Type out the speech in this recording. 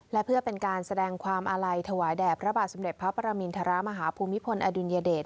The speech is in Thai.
และเพื่อเป็นการแสดงความอาลัยถวายแด่พระบาทสมเด็จพระประมินทรมาฮภูมิพลอดุลยเดช